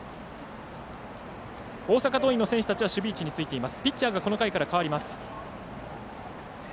大阪桐蔭の選手たちは守備位置についています。